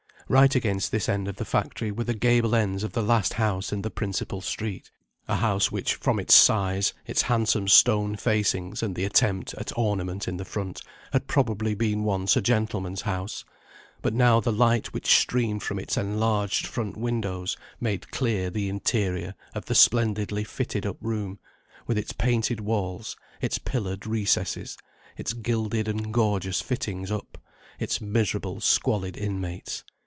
Right against this end of the factory were the gable ends of the last house in the principal street a house which from its size, its handsome stone facings, and the attempt at ornament in the front, had probably been once a gentleman's house; but now the light which streamed from its enlarged front windows made clear the interior of the splendidly fitted up room, with its painted walls, its pillared recesses, its gilded and gorgeous fittings up, its miserable, squalid inmates.